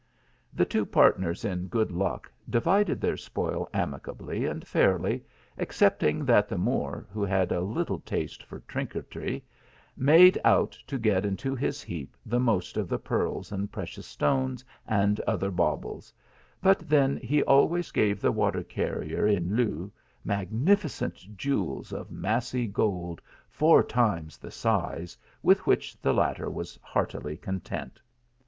The two partners in good luck divided their spoil amicably and fairly, excepting that the Moor, who had a little taste for trinketry, made out to get into his heap the most of the pearls and precious stones, and other baubles, but then he always gave the water carrier in lieu magnificent jewels of massy fold four times the size, with which the latter was eartily content.